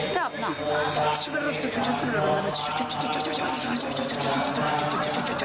ชอบเนาะ